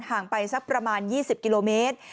ห่างไปสักประมาณ๒๐กิโลเมตร